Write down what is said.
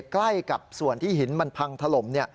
ใกล้กับส่วนที่หินมันพังถล่ม